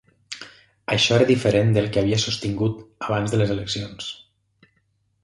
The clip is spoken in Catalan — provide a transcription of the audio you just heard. Això era diferent del que havia sostingut abans de les eleccions.